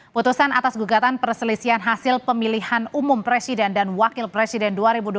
putusan atas gugatan perselisihan hasil pemilihan umum presiden dan wakil presiden dua ribu dua puluh